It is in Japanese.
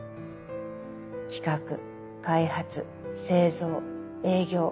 企画開発製造営業